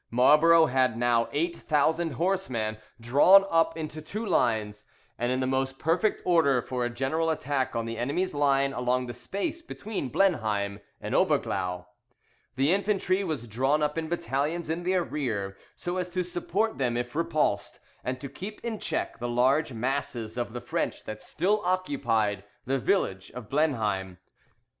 Marlborough had now eight thousand horseman drawn up in two lines, and in the most perfect order for a general attack on the enemy's line along the space between Blenheim and Oberglau. The infantry was drawn up in battalions in their rear, so as to support them if repulsed, and to keep in check the large masses of the French that still occupied the village of Blenheim.